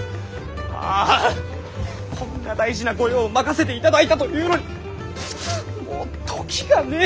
ああこんな大事な御用を任せていただいたというのにもう時がねぇ！